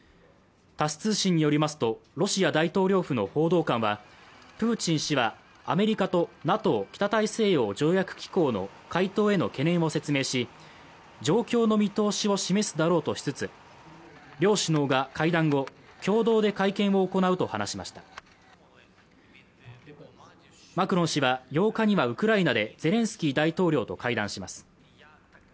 タス通信によりますとロシア大統領府の報道官はプーチン氏はアメリカとＮＡＴＯ＝北大西洋条約機構の回答への懸念を説明し状況の見通しを示すだろうとしつつ両首脳が会談後共同で会見を行うと話しましたマクロン氏は８日にはウクライナでゼレンスキー大統領と会談します